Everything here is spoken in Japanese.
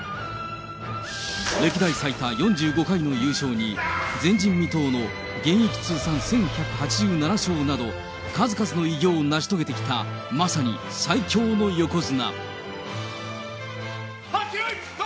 歴代最多４５回の優勝に、前人未到の現役通算１１８７勝など、数々の偉業を成し遂げてきたまさに最強の横綱。